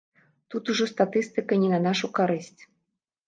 Тут ўжо статыстыка не на нашу карысць.